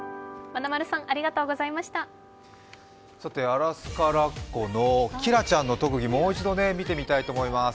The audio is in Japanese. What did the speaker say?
アラスカラッコのキラちゃんの特技、もう一度見てみたいと思います。